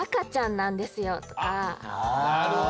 なるほど。